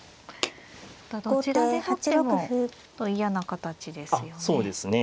どちらで取ってもちょっと嫌な形ですよね。